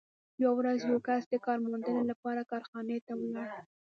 یوه ورځ یو کس د کار موندنې لپاره کارخانې ته ولاړ